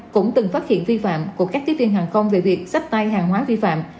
cũng từng phát hiện vi phạm của các tiếp viên hàng không về việc sắp tay hàng hóa vi phạm